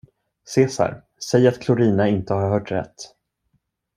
Cesar, säg att Klorina inte har hört rätt!